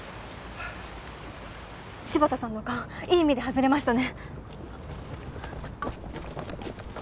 柴田さんの勘いい意味で外れましたね！